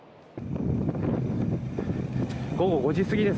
午後５時過ぎです。